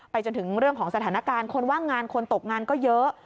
จนถึงเรื่องของสถานการณ์คนว่างงานคนตกงานก็เยอะ